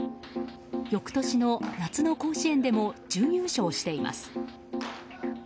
翌年の夏の甲子園でも準優勝しています。